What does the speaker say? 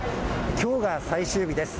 きょうが最終日です。